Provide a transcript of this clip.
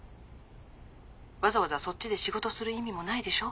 わざわざそっちで仕事する意味もないでしょ。